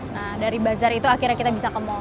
nah dari bazar itu akhirnya kita bisa ke mall